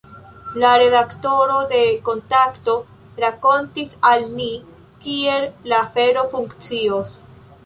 La redaktoro de Kontakto, rakontis al ni, kiel la afero funkcios.